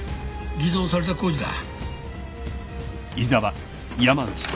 偽造された工事だ。